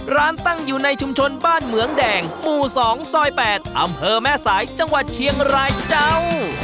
ร้านตั้งอยู่ในชุมชนบ้านเหมืองแดงหมู่๒ซอย๘อำเภอแม่สายจังหวัดเชียงรายเจ้า